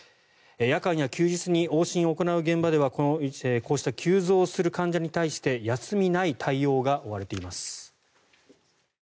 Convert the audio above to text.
夜間や休日に往診を行う現場ではこうした急増する患者に対して休みない対応に追われています。